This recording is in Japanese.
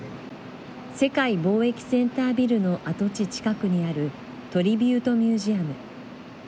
世界貿易センタービルの跡地近くにあるトリビュート・ミュージアム。